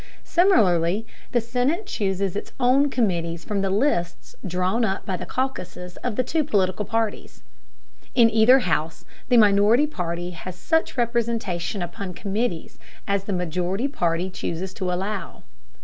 Similarly, the Senate chooses its own committees from lists drawn up by the caucuses of the two political parties. In either house, the minority party has such representation upon committees as the majority party chooses to allow.